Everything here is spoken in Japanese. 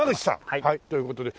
はいという事で